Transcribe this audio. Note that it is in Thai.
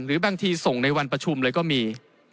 หรือบางทีส่งในวันประชุมเลยก็มี